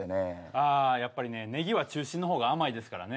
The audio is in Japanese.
ああやっぱりねネギは中心の方が甘いですからね。